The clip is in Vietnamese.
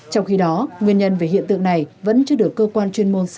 trong khi đó nguyên nhân về hiện tượng này vẫn chưa được cơ quan chuyên môn xác minh làm rõ